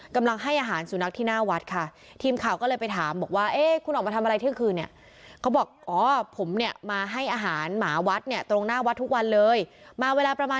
กำลังให้อาหารสู่นักที่หน้าวัดค่ะ